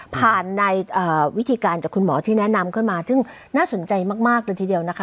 ในวิธีการจากคุณหมอที่แนะนำขึ้นมาซึ่งน่าสนใจมากเลยทีเดียวนะคะ